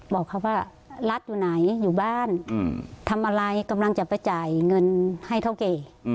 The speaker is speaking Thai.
บอกเขาว่ารัฐอยู่ไหนอยู่บ้านทำอะไรกำลังจะไปจ่ายเงินให้เท่าแก่